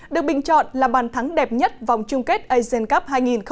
được bình chọn là bàn thắng đẹp nhất vòng chung kết asian cup hai nghìn một mươi tám